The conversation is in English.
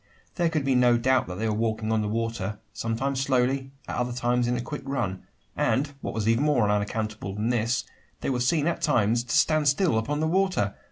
There could be no doubt that they were walking on the water sometimes slowly, at other times in a quick run and, what was even more unaccountable than this, they were seen at times to stand still upon the water!